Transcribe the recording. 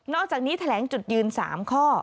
อกจากนี้แถลงจุดยืน๓ข้อ